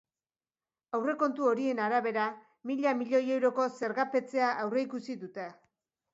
Aurrekontu horien arabera, mila milioi euroko zergapetzea aurreikusi dute.